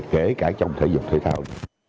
kể cả trong thể dục thể thao